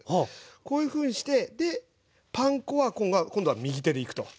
こういうふうにしてパン粉は今度は右手でいくと。